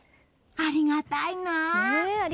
ありがたいなあ！